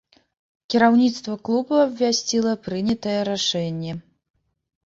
Кіраўніцтва клуба абвясціла прынятае рашэнне.